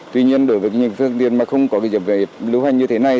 tuy nhiên đối với những phương tiện mà không có giấy phép lưu hành như thế này